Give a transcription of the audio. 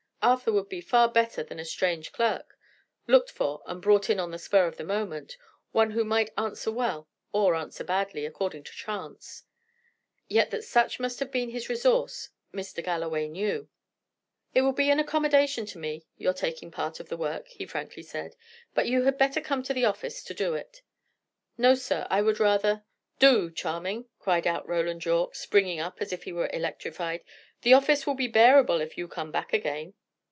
Arthur would be far better than a strange clerk, looked for and brought in on the spur of the moment one who might answer well or answer badly, according to chance. Yet that such must have been his resource, Mr. Galloway knew. "It will be an accommodation to me, your taking part of the work," he frankly said. "But you had better come to the office and do it." "No, sir; I would rather " "Do, Channing!" cried out Roland Yorke, springing up as if he were electrified. "The office will be bearable if you come back again."